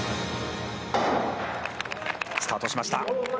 スタートしました。